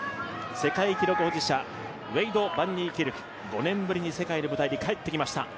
世界記録保持者、バンニーキルク、５年ぶりに世界の舞台に帰ってきました。